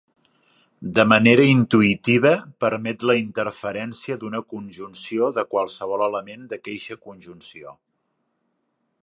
De manera intuïtiva, permet la interferència d'una conjunció de qualsevol element d'aqueixa conjunció.